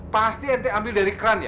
pasti nt ambil dari keran ya